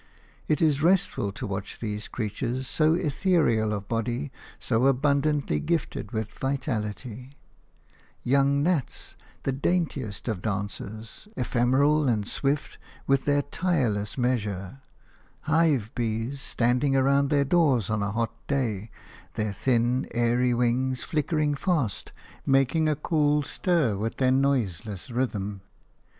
It is restful to watch these creatures, so ethereal of body, so abundantly gifted with vitality – young gnats, the daintiest of dancers, ephemeral and swift, with their tireless measure – hive bees, standing round their doors on a hot day, their thin, airy wings flickering fast, making a cool stir with their noiseless rhythm.